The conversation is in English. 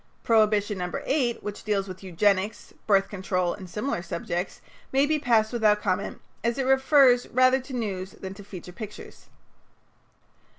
Prohibition No. 8, which deals with eugenics, birth control and similar subjects, may be passed without comment, as it refers rather to news than to feature pictures.